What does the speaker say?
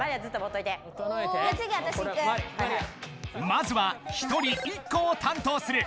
まずは１人１個を担当する。